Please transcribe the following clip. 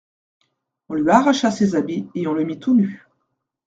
On lui arracha ses habits, et on le mit tout nu.